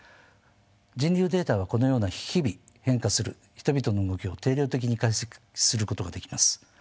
人流データはこのような日々変化する人々の動きを定量的に解析することができます。